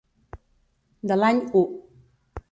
De l'any u.